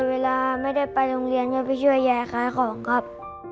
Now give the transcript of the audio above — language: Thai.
เวลาไม่ได้ไปโรงเรียนก็ไปช่วยยายขายของครับ